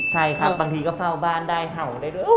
ใช่ครับบางทีก็เฝ้าบ้านได้เห่าได้ด้วย